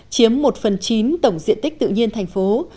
chiếm một phần chín tổng diện tích tự nhiên thành phố